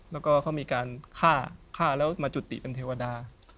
แล้วก็เขามีการฆ่าฆ่าแล้วมาจุติเป็นเทวดา